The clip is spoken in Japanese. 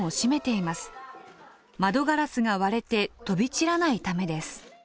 窓ガラスが割れて飛び散らないためです。